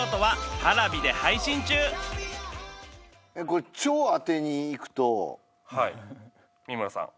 これ超当てにいくとはい三村さん